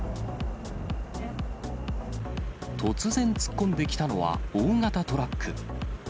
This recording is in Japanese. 突然突っ込んできたのは、大型トラック。